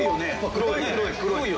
黒い黒い。